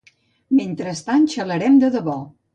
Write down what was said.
Mentrestant xalarem de debò